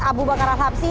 abu bakaran hapsi